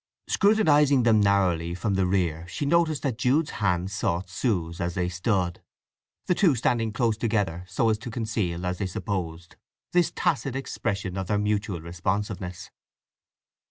Scrutinizing them narrowly from the rear she noticed that Jude's hand sought Sue's as they stood, the two standing close together so as to conceal, as they supposed, this tacit expression of their mutual responsiveness.